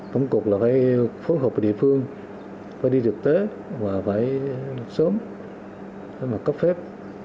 tổng cục là phải phối hợp với địa phương phải đi thực tế và phải sớm mà cấp phép